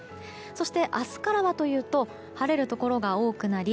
そして、明日からはというと晴れるところが多くなり